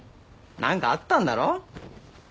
何かあったんだろ？